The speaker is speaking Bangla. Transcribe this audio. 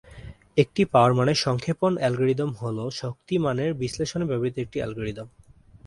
একটি পাওয়ার মানের সংক্ষেপণ অ্যালগরিদম হ'ল শক্তি মানের বিশ্লেষণে ব্যবহৃত একটি অ্যালগরিদম।